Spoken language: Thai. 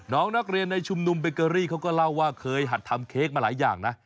น้องนักเรียนในชุมนุมเบเกอรี่เขาก็เล่าว่าเคยหัดทำเค้กมาหลายอย่างนะ